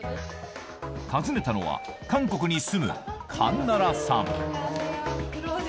訪ねたのは、韓国に住むカン・ナラさん。